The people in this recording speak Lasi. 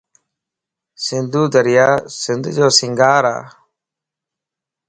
سنڌو دريا سنڌ جو سينگار ا